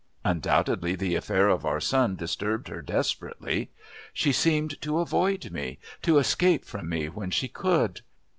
Undoubtedly the affair of our son disturbed her desperately. She seemed to avoid me, to escape from me when she could.